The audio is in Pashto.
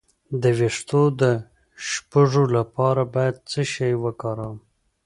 د ویښتو د شپږو لپاره باید څه شی وکاروم؟